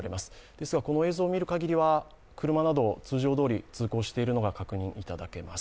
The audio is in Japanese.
ですがこの映像を見るかぎりは車など通常どおり通行しているのが確認されます。